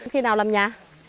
khi nào làm nhà